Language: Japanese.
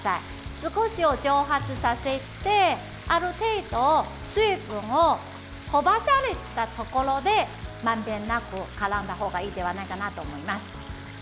少し蒸発させて、ある程度水分が飛ばされたところでまんべんなくからんだ方がいいのではないかと思います。